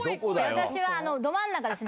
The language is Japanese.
私はど真ん中ですね。